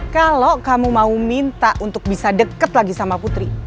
kalau kamu mau minta untuk bisa deket lagi sama putri